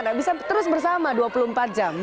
nah bisa terus bersama dua puluh empat jam